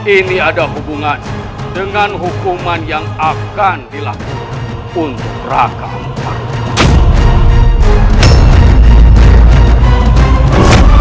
ini ada hubungan dengan hukuman yang akan dilakukan untuk raka amu karug